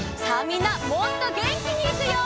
みんなもっとげんきにいくよ！